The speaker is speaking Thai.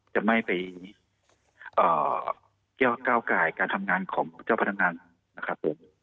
จะไม่ไปก้าวกายการทำงานของเจ้าพนักงานนะครับผม